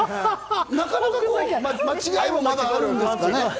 なかなか間違いもまだあるんですかね？